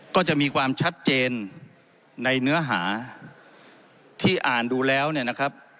ก็จะมีความชัดเจนในเนื้อหาที่อ่านดูแล้วเนี่ยนะครับ